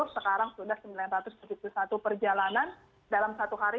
sekarang sudah sembilan ratus tujuh puluh satu perjalanan dalam satu hari